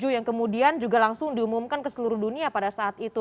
yang kemudian juga langsung diumumkan ke seluruh dunia pada saat itu